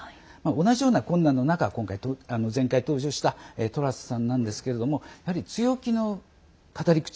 同じような困難の中前回登場したトラスさんなんですけれどもやはり、強気の語り口。